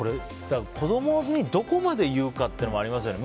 子供にどこまで言うかっていうのもありますよね。